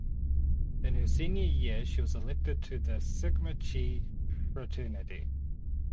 In her senior year she was elected to the Sigma Xi fraternity.